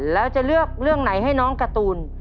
แล้วจะเลือกเรื่องไหนให้น้องการ์ตูน